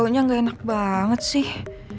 aduh baunya gak enak banget sih